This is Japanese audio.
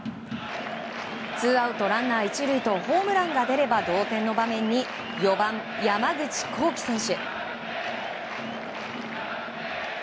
ツーアウトランナー１塁とホームランが出れば同点の場面に４番、山口航輝選手。